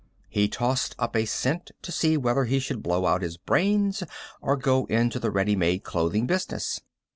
He tossed up a cent to see whether he should blow out his brains or go into the ready made clothing business.